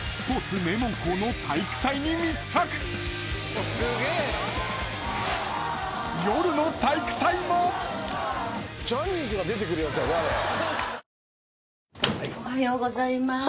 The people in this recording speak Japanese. わかるぞおはようございます。